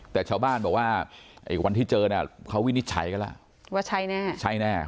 แต่ชาวบ้านบอกว่าอีกวันที่เจอเนี่ยเขาวินิจฉัยก็แล้ว